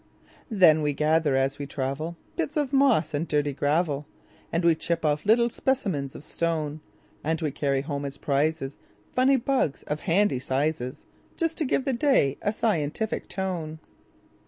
Then we gather as we travel, Bits of moss and dirty gravel, And we chip off little specimens of stone; And we carry home as prizesFunny bugs, of handy sizes, Just to give the day a scientific tone.